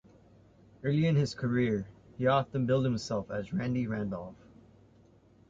Early in his career, he often billed himself as Randy Randolph.